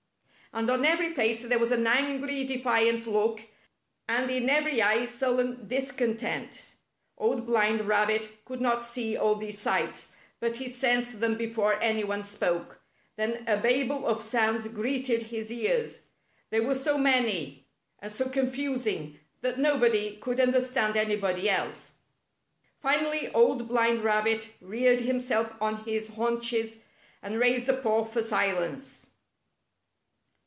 And on every face there was an angry, defiant look, and in every eye sullen discontent. Old Blind Rabbit could not see all these sights, but he sensed them before any one spoke. Then a babel of sounds greeted his ears. They were so many, and so confusing, that no body could understand anybody else. Finally Old Blind Rabbit reared himself on his haunches, and raised a paw for silence.